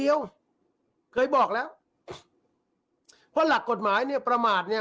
นี่ค่ะถนายเดชาออกมาไลฟ์เอาไว้แบบนี้